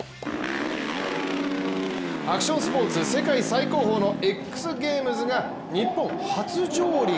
アクションスポーツ世界最高峰のＸＧａｍｅｓが日本初上陸。